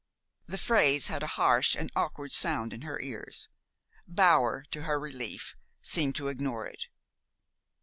The phrase had a harsh and awkward sound in her ears. Bower, to her relief, seemed to ignore it.